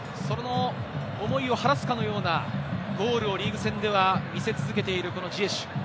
その思いを晴らすかのようなゴールをリーグ戦では見せ続けているジエシュ。